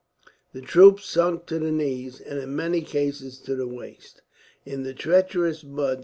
The troops sunk to the knee, and in many cases to the waist, in the treacherous mud.